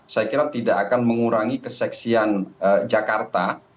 saya kira tidak akan mengurangi keseksian jakarta